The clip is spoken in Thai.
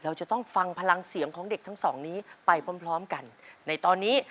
เราจะต้องฟังพลังเสียงของเด็กทั้งสองนี้ไปพร้อมพร้อมกันในตอนนี้